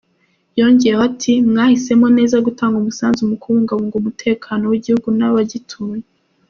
Yongeyeho ati, " Mwahisemo neza gutanga umusanzu mu kubungabunga umutekano w’igihugu n’abagituye.